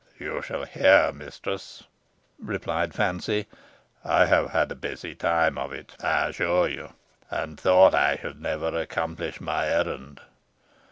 "You shall hear, mistress," replied Fancy: "I have had a busy time of it, I assure you, and thought I should never accomplish my errand.